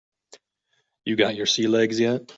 You got your sea legs yet?